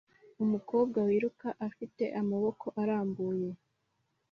Umukobwa wiruka afite amaboko arambuye